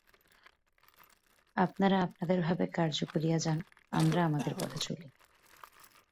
আপনারা আপনাদের ভাবে কার্য করিয়া যান, আমরা আমাদের পথে চলি।